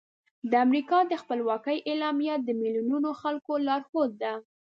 د امریکا د خپلواکۍ اعلامیه د میلیونونو خلکو لارښود ده.